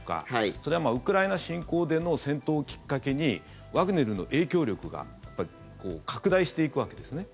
それは、ウクライナ侵攻での戦闘をきっかけにワグネルの影響力が拡大していくわけですね。